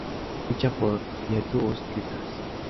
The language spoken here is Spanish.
Ficha por Lietuvos Rytas.